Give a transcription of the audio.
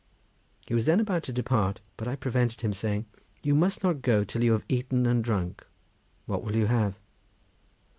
He was then about to depart, but I prevented him, saying: "You must not go till you have eaten and drunk. What will you have?"